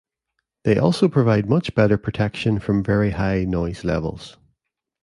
They also provide much better protection from very high noise levels.